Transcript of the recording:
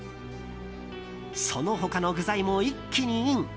その他の具材も一気にイン。